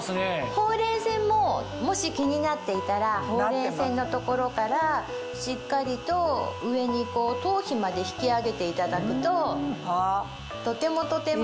ほうれい線ももし気になっていたらほうれい線の所からしっかりと上に頭皮まで引き上げていただくととてもとても。